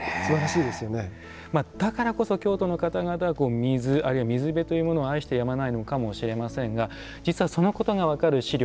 だからこそ京都の方々は水、あるいは水辺というものを愛してやまないのかもしれませんが実はそのことが分かる史料